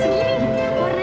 aik bila ada powerstar